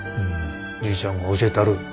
じいちゃんが教えたる。